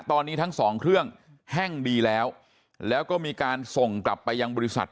ตอนนี้ทั้งสองเครื่องแห้งดีแล้วแล้วก็มีการส่งกลับไปยังบริษัท